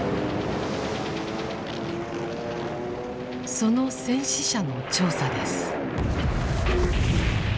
その戦死者の調査です。